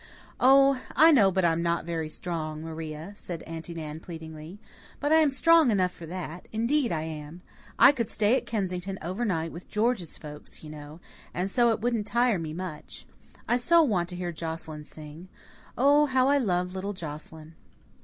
"Oh, I know I'm not very strong, Maria." said Aunty Nan pleadingly, "but I am strong enough for that. Indeed I am. I could stay at Kensington over night with George's folks, you know, and so it wouldn't tire me much. I do so want to hear Joscelyn sing. Oh, how I love little Joscelyn."